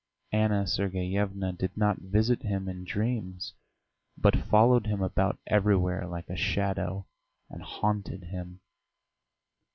Anna Sergeyevna did not visit him in dreams, but followed him about everywhere like a shadow and haunted him.